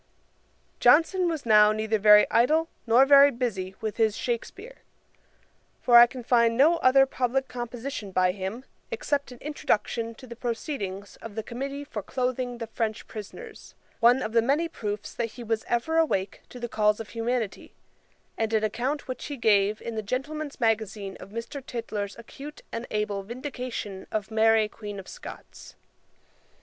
] Johnson was now neither very idle, nor very busy with his Shakspeare; for I can find no other public composition by him except an introduction to the proceedings of the Committee for cloathing the French Prisoners;[*] one of the many proofs that he was ever awake to the calls of humanity; and an account which he gave in the Gentlemen's Magazine of Mr. Tytler's acute and able vindication of Mary Queen of Scots.